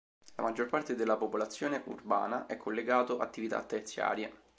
La maggior parte della popolazione urbana è collegato attività terziarie.